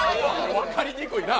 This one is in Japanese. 分かりにくいな！